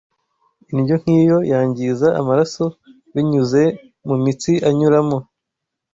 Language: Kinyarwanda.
Indyo nk’iyo yangiza amaraso binyuze mu mitsi anyuramo